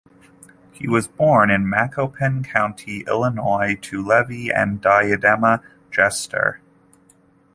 He was born in Macoupin County, Illinois to Levi and Diadema Jester.